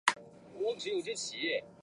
死于任上。